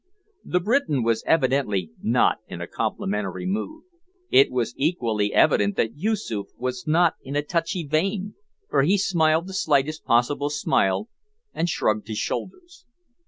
The Briton was evidently not in a complimentary mood. It was equally evident that Yoosoof was not in a touchy vein, for he smiled the slightest possible smile and shrugged his shoulders.